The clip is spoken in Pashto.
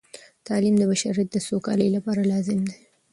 تعلیم د بشریت د سوکالۍ لپاره لازم دی.